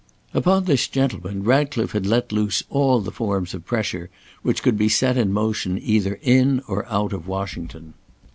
Upon this gentleman Ratcliffe had let loose all the forms of "pressure" which could be set in motion either in or out of Washington.